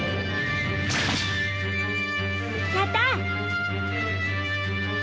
やった！